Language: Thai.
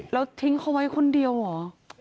แล้วทิ้งเขาไว้คนเดียวเหรอ